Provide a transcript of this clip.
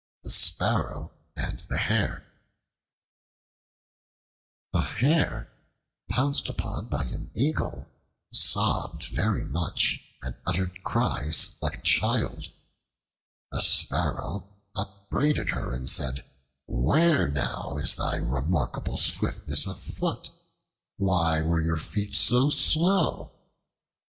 The Sparrow and the Hare A HARE pounced upon by an eagle sobbed very much and uttered cries like a child. A Sparrow upbraided her and said, "Where now is thy remarkable swiftness of foot? Why were your feet so slow?"